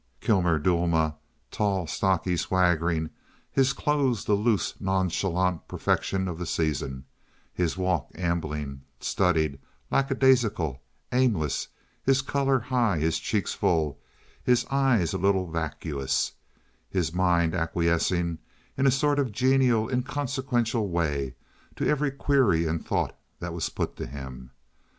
Kilmer Duelma—tall, stocky, swaggering, his clothes the loose, nonchalant perfection of the season, his walk ambling, studied, lackadaisical, aimless, his color high, his cheeks full, his eyes a little vacuous, his mind acquiescing in a sort of genial, inconsequential way to every query and thought that was put to him.